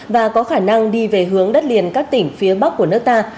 và có khả năng đi về hướng đất liền các tỉnh phía bắc của nước ta